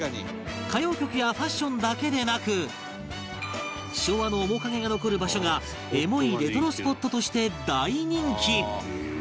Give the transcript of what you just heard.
歌謡曲やファッションだけでなく昭和の面影が残る場所がエモいレトロスポットとして大人気！